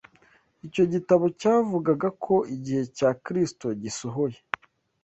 icyo gitabo cyavugaga ko igihe cya kristo gisohoye